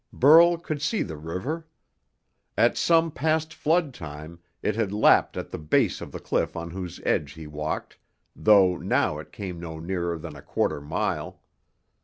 Burl could see the river. At some past floodtime it had lapped at the base of the cliff on whose edge he walked, though now it came no nearer than a quarter mile.